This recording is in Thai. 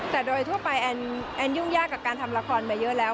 แต่โดยทั่วไปแอนยุ่งยากกับการทำละครมาเยอะแล้ว